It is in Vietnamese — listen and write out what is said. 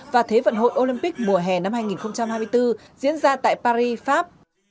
và thế vận hội olympic mùa hè năm hai nghìn hai mươi bốn diễn ra tại paris pháp